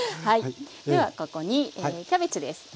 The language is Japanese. ではここにキャベツです。